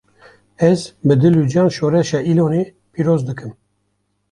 Ez bi dil û can şoreşa Îlonê pîroz dikim